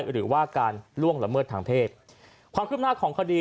หรือว่าการล่วงละเมิดทางเพศความคืบหน้าของคดี